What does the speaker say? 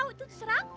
tau itu serangku